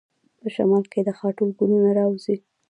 په شمال کې د غاټول ګلونه راوځي.